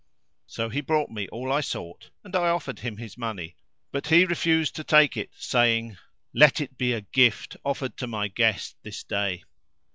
So he brought me all I sought and I offered him his money, but he refused to take it saying, "Let it be a gift offered to my guest this day!"